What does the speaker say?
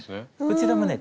こちらもね